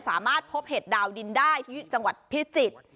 สามารถพบเห็ดดาวดินได้ที่จังหวัดพิจิตร